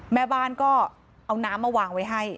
แม่บ้านก็เอาน้ำมาวางไว้ให้